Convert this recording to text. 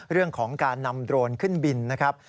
เรื่องของการนำโดรนขึ้นบินนะครับ